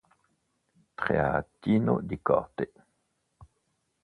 Teatrino di corte